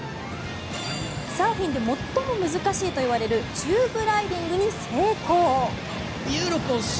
サーフィンで最も難しいといわれるチューブライディングに成功。